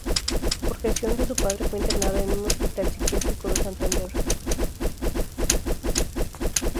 Por gestión de su padre fue internada en un hospital psiquiátrico de Santander.